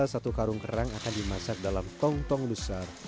satu karung kerang akan dimasak dalam tong tong besar